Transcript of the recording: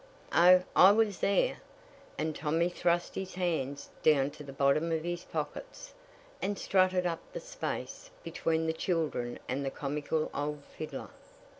"O, I was there;" and Tommy thrust his hands down to the bottom of his pockets, and strutted up the space between the children and the comical old fiddler.